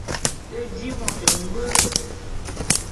Te di môt ngbwe.